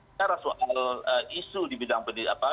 bicara soal isu di bidang pendidikan